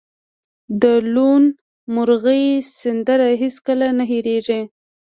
د لوون مرغۍ سندره هیڅکله نه هیریږي